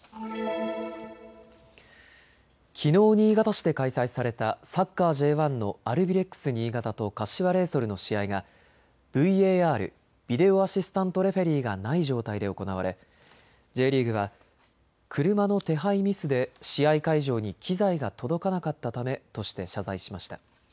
きのう新潟市で開催されたサッカーＪ１のアルビレックス新潟と柏レイソルの試合がＶＡＲ・ビデオ・アシスタント・レフェリーがない状態で行われＪリーグは車の手配ミスで試合会場に機材が届かなかったためとして謝罪しました。